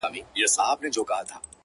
• بس مرور له سولي ښه یو پخلا نه سمیږو ,